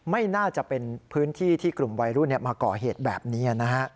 ไม่น่าจะเป็นพื้นที่ที่กลุ่มวัยรุ่นมาก่อเหตุแบบนี้นะฮะ